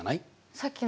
さっきの！